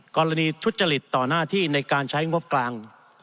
กรณีทุจริตต่อหน้าที่ในการใช้งบกลาง